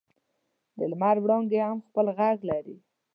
د لمر وړانګې هم خپل ږغ لري.